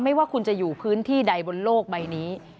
ว่าคุณจะอยู่พื้นที่ใดบนโลกใบนี้